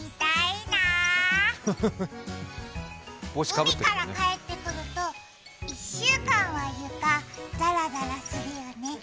海から帰ってくると１週間は床、ざらざらするよね。